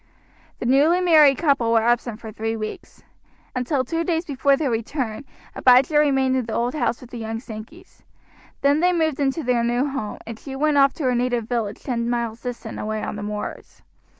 The newly married couple were absent for three weeks. Until two days before their return Abijah remained in the old house with the young Sankeys; then they moved into their new home, and she went off to her native village ten miles distant away on the moors.